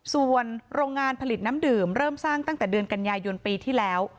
ส่วนโรงงานผลิตน้ำดื่มเริ่มสร้างตั้งแต่เดือนกันยายนปีที่แล้ว